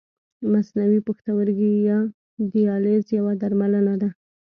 مصنوعي پښتورګی یا دیالیز یوه درملنه ده.